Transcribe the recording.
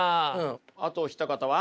あとお一方は？